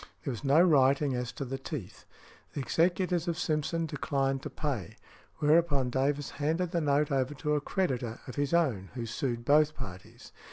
There was no writing as to the teeth. The executors of Simpson declined to pay, whereupon Davis handed the note over to a creditor of his own, |172| who sued both parties.